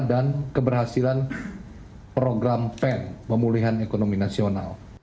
dan keberhasilan program pen